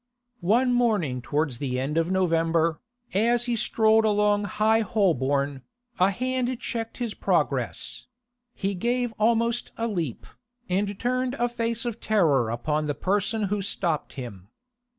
One morning towards the end of November, as he strolled along High Holborn, a hand checked his progress; he gave almost a leap, and turned a face of terror upon the person who stopped him.